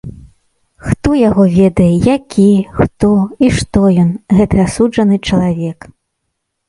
Хто яго ведае, які, хто і што ён, гэты асуджаны чалавек.